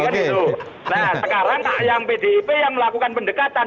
nah sekarang yang pdip yang melakukan pendekatan